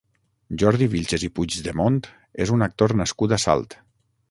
Jordi Vilches i Puigdemont és un actor nascut a Salt.